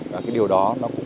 và cái điều đó nó cũng làm